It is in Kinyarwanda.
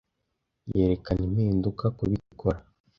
Yerekana impinduka; kubikora